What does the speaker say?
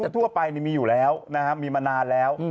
ทั่วไปมันมีอยู่แล้วมีมานานแล้ว